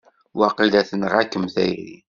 Waqila tenɣa-kem tayri!